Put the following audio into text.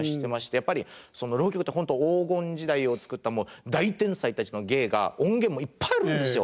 やっぱり浪曲って本当黄金時代を作った大天才たちの芸が音源もいっぱいあるんですよ。